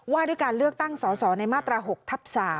ว่าด้วยการเลือกตั้งสอสอในมาตรา๖ทับ๓